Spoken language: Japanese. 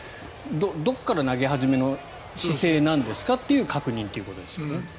どこから投げ始めの姿勢なんですか？という確認ということです。